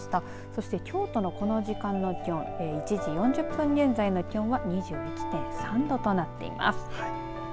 そして、京都のこの時間の気温１時４０分現在の気温は２１．３度となっています。